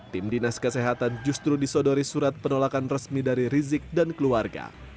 tim dinas kesehatan justru disodori surat penolakan resmi dari rizik dan keluarga